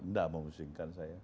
tidak memusingkan saya